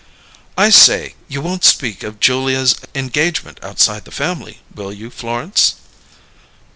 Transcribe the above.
"I say, you won't speak of Julia's engagement outside the family, will you, Florence?"